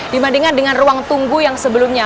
dibandingkan dengan ruang tunggu yang sebelumnya